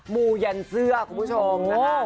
มูหยั่นเสื้อคุณผู้ชมค่ะ